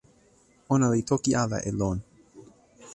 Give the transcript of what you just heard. ona li toki ala e lon.